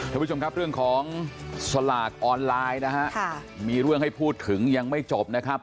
ท่านผู้ชมครับเรื่องของสลากออนไลน์นะฮะมีเรื่องให้พูดถึงยังไม่จบนะครับ